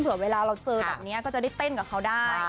เวลาเราเจอแบบนี้ก็จะได้เต้นกับเขาได้